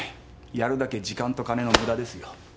やるだけ時間と金のムダですよ。